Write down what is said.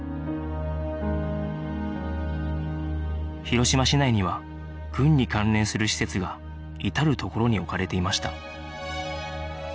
広島市内には軍に関連する施設が至る所に置かれていました